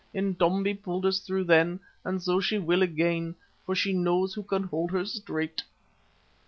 Intombi pulled us through then, and so she will again, for she knows who can hold her straight!"